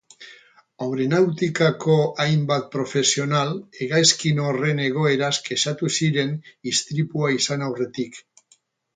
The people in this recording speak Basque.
Aeronautikako hainbat profesional hegazkin horren egoeraz kexatu ziren istripua izan aurretik.